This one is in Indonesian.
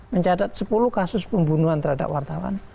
mencatat sepuluh kasus pembunuhan terhadap wartawan